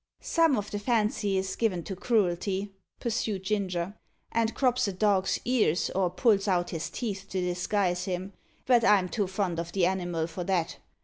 "Some of the Fancy is given to cruelty," pursued Ginger, "and crops a dog's ears, or pulls out his teeth to disguise him; but I'm too fond o' the animal for that.